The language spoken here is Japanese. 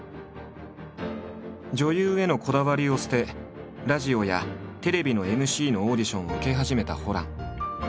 女優へのこだわりを捨てラジオやテレビのＭＣのオーディションを受け始めたホラン。